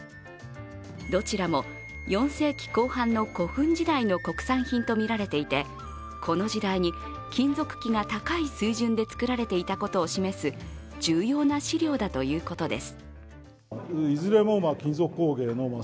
どちらも４世紀後半の古墳時代の国産品とみられていてこの時代に金属器が高い水準で作られていたことを示す重要な史料だということです。